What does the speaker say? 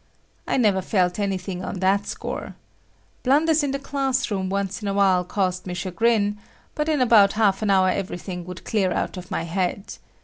I never felt anything on that score. Blunders in the class room once in a while caused me chagrin, but in about half an hour everything would clear out of my head.